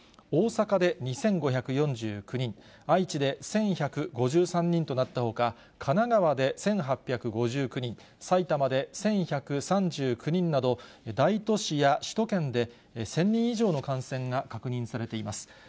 大阪で２５４９人、愛知で１１５３人となったほか、神奈川で１８５９人、埼玉で１１３９人など、大都市や首都圏で１０００人以上の感染が確認されています。